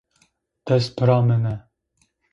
Dest pira mene